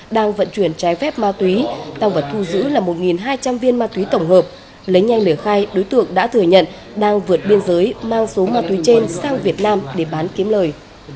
đang vận chuyển trái phép ma túy tăng vật thu giữ là một hai trăm linh viên ma túy tổng hợp lấy nhanh để khai đối tượng đã thừa nhận đang vượt biên giới mang số ma túy trên sang việt nam để bán kiếm lời